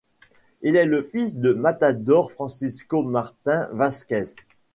Il est le fils du Matador Francisco Martín Vázquez.